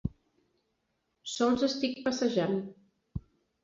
Sols estic passejant.